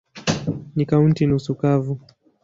Ni kaunti nusu kavu.